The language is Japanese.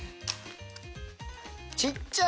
・小っちゃい！